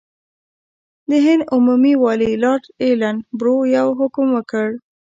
د هند عمومي والي لارډ ایلن برو یو حکم وکړ.